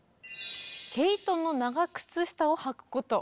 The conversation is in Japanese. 「毛糸の長靴下を履くこと」。